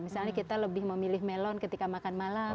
misalnya kita lebih memilih melon ketika makan malam